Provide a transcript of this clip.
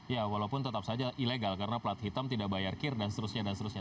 ya walaupun tetap saja ilegal karena plat hitam tidak bayar kir dan seterusnya dan seterusnya